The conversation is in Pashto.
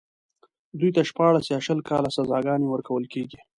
دوی ته شپاړس يا شل کاله سزاګانې ورکول کېږي.